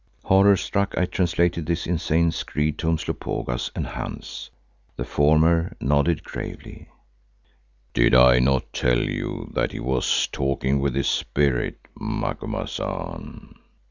Horrorstruck I translated this insane screed to Umslopogaas and Hans. The former nodded gravely. "Did I not tell you that he was talking with his Spirit, Macumazahn?"